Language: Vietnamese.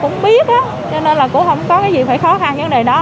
nên là cũng không có cái gì phải khó khăn vấn đề đó